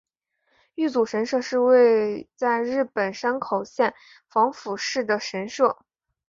玉祖神社是位在日本山口县防府市的神社。